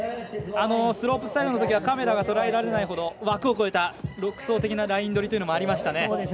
スロープスタイルのときはカメラがとらえられないほど枠を超えた独創的なライン取りというのもありました。